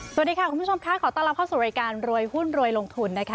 สวัสดีค่ะคุณผู้ชมค่ะขอต้อนรับเข้าสู่รายการรวยหุ้นรวยลงทุนนะคะ